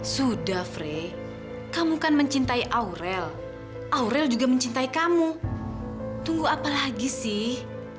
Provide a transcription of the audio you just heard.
sudah free kamu kan mencintai aurel aurel juga mencintai kamu tunggu apa lagi sih